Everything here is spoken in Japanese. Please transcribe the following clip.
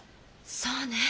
そうね。